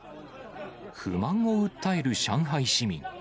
不満を訴える上海市民。